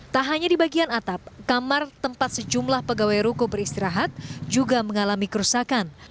tak hanya di bagian atap kamar tempat sejumlah pegawai ruko beristirahat juga mengalami kerusakan